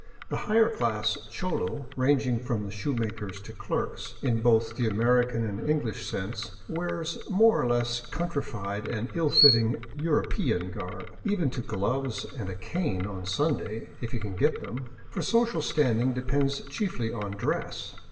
The higher class cholo, ranging from shoe makers to clerks — in both the American and English sense — wears more or less countrified and ill fitting " European " garb, even to gloves and a cane on Sunday, if he can get them ; for social standing depends chiefly on dress.